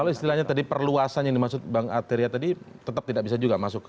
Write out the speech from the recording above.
kalau istilahnya tadi perluasan yang dimaksud bang arteria tadi tetap tidak bisa juga masuk ke